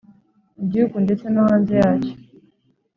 mugihugu ndetse no hanze yacyo,